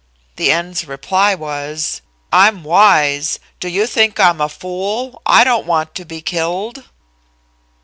"The end's reply was: "'I'm wise. Do you think I'm a fool? I don't want to be killed.'"